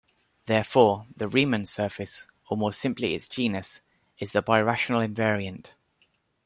Therefore, the Riemann surface, or more simply its genus is a birational invariant.